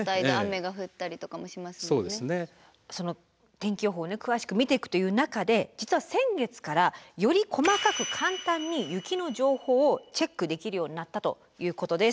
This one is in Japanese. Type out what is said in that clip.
天気予報を詳しく見ていくという中で実は先月からより細かく簡単に雪の情報をチェックできるようになったということです。